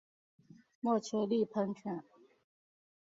墨丘利喷泉。